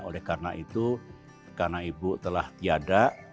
oleh karena itu karena ibu telah tiada